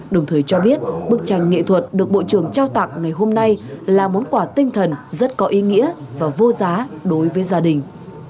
đồng thời cho biết bức tranh nghệ thuật được bộ trưởng trao tặng ngày hôm nay là món quà tinh thần rất có ý nghĩa và vô giá đối với gia đình